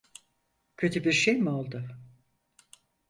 Kötü bir şey mi oldu?